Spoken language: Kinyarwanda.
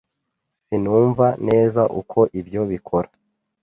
Sinumva neza uko ibyo bikora.